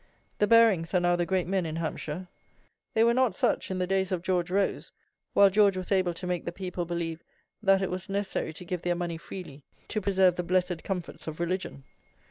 The Barings are now the great men in Hampshire. They were not such in the days of George Rose while George was able to make the people believe that it was necessary to give their money freely to preserve the "blessed comforts of religion."